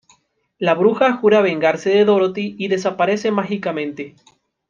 La bruja jura vengarse de Dorothy y desaparece mágicamente.